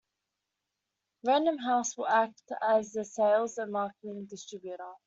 Random House will act as the sales and marketing distributor.